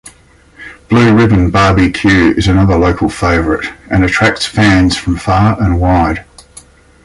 Blue Ribbon Bar-B-Q is another local favorite, and attracts fans from far and wide.